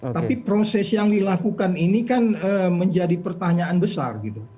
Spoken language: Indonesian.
tapi proses yang dilakukan ini kan menjadi pertanyaan besar gitu